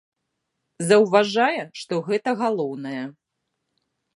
Заўважае, што гэта галоўнае.